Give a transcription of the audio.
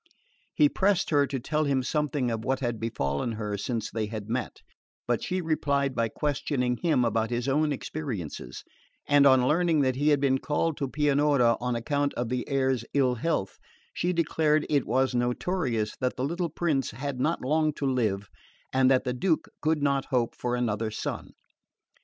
He pressed her to tell him something of what had befallen her since they had met, but she replied by questioning him about his own experiences, and on learning that he had been called to Pianura on account of the heir's ill health she declared it was notorious that the little prince had not long to live, and that the Duke could not hope for another son.